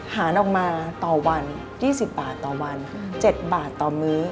หารออกมาต่อวัน๒๐บาทต่อวัน๗บาทต่อมื้อ